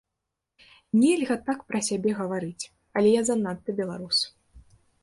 Нельга так пра сябе гаварыць, але я занадта беларус.